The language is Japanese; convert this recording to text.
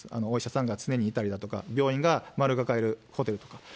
お医者さんが常にいたりだとか、病院が丸抱えるホテルとか。